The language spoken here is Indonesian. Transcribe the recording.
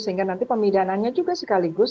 sehingga nanti pemidanannya juga sekaligus